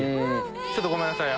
ちょっとごめんなさい。